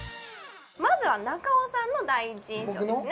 まずは中尾さんの第一印象ですね